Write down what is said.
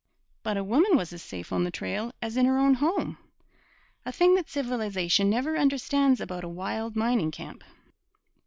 But a woman was as safe on the trail as in her own home a thing that civilization never understands about a wild mining camp.